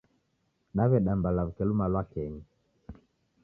Dewedamba lawuke lumalwakenyi